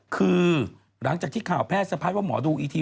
คือหลังจากที่ข่าวแพทย์สะพัดว่าหมอดูอีที